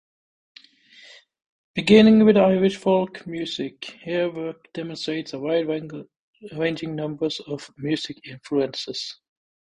Beginning with Irish folk music, her work demonstrates a wide-ranging number of musical influences.